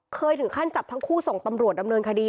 เคยถึงขั้นจับทั้งคู่ส่งตำรวจดำเนินคดี